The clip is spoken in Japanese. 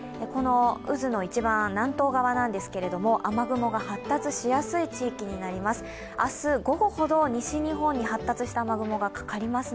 渦の一番南東側なんですけど雨雲が発達しやすい地域になります。